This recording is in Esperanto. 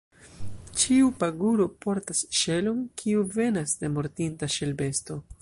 Ĉiu paguro portas ŝelon, kiu venas de mortinta ŝelbesto.